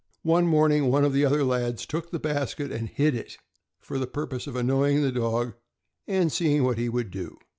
One morning, one of the other lads took the basket and hid it, for the purpose of annoying the dog and seeing what he would do.